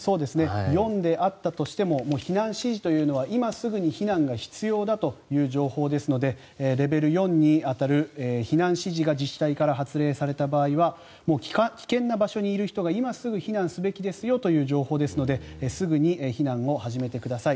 ４であったとしても避難指示というのは今すぐに避難が必要だという情報ですのでレベル４に当たる避難指示が自治体から発令された場合は危険な場所にいる人が今すぐ避難すべきですよという情報ですのですぐに避難を始めてください。